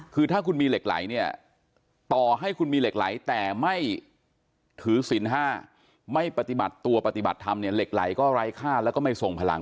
คือถ้าคุณมีเหล็กไหลเนี่ยต่อให้คุณมีเหล็กไหลแต่ไม่ถือศิลป์๕ไม่ปฏิบัติตัวปฏิบัติธรรมเนี่ยเหล็กไหลก็ไร้ค่าแล้วก็ไม่ส่งพลัง